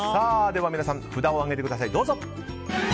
では皆さん札を上げてください。